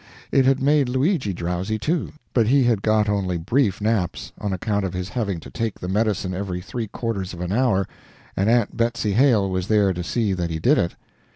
It had made Luigi drowsy, too, but he had got only brief naps, on account of his having to take the medicine every three quarters of an hour and Aunt Betsy Hale was there to see that he did it.